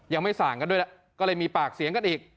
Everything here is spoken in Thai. ยังไม่ส่างกันด้วยแล้วก็เลยมีปากเสียงกันอีก